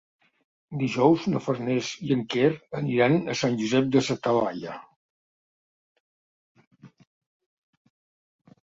Dijous na Farners i en Quer aniran a Sant Josep de sa Talaia.